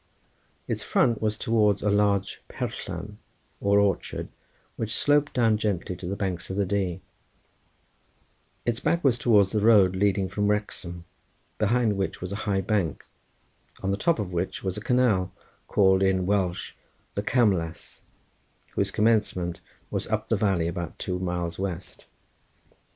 Its front was towards a large perllan or orchard, which sloped down gently to the banks of the Dee; its back was towards the road leading from Wrexham, behind which was a high bank, on the top of which was a canal called in Welsh the Camlas, whose commencement was up the valley about two miles west.